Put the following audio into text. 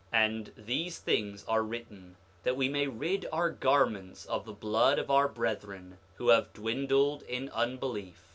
9:35 And these things are written that we may rid our garments of the blood of our brethren, who have dwindled in unbelief.